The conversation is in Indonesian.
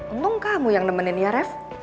untung kamu yang nemenin ya ref